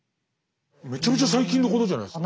めちゃめちゃ最近のことじゃないですか。